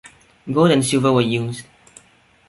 Gold and silver were used.